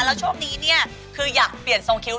แล้วช่วงนี้เนี่ยคืออยากเปลี่ยนทรงคิ้ว